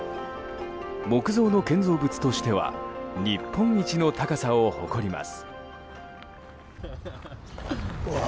木造の建築物としては日本一の高さを誇ります。